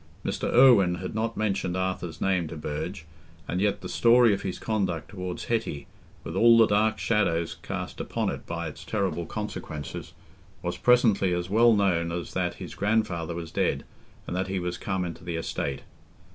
Mr. Irwine had not mentioned Arthur's name to Burge, and yet the story of his conduct towards Hetty, with all the dark shadows cast upon it by its terrible consequences, was presently as well known as that his grandfather was dead, and that he was come into the estate.